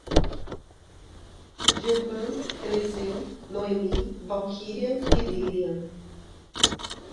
Gilvan, Eliseu, Noemi, Valquíria e Lílian